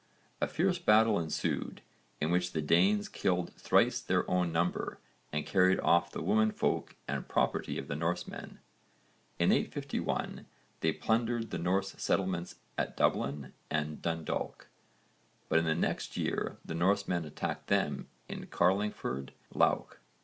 A fierce battle ensued, in which the Danes killed thrice their own number and carried off the women folk and property of the Norsemen. In 851 they plundered the Norse settlements at Dublin and Dundalk, but in the next year the Norsemen attacked them in Carlingford Lough.